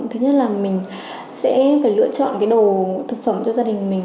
thứ nhất là mình sẽ phải lựa chọn cái đồ thực phẩm cho gia đình mình